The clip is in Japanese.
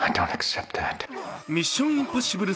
「ミッション：インポシブル」